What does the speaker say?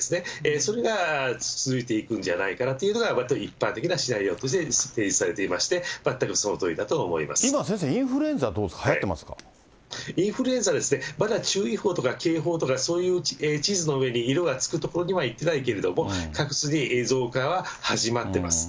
それが続いていくんじゃないかなというのが、わりと一般的なシナリオとして成立されていまして、全くそのとお今、先生インフルエンザどうインフルエンザですね、まだ注意報とか警報とか、そういう地図の上に色がつく所にはいってないけれども、確実に増加は始まっています。